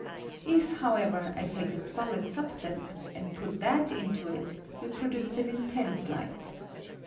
If, however, I take a solid substance, and put that into it, we produce an intense I. light.